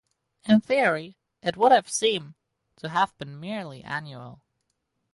In theory it would have seem to have been merely annual.